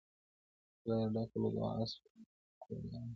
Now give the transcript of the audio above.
خوله یې ډکه له دعاوو سوه ګویان سو-